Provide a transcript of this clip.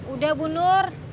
udah bu nur